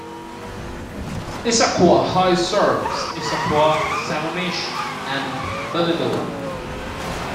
Issaquah High serves Issaquah, Sammamish, and Bellevue.